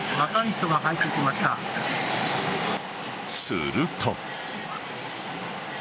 すると。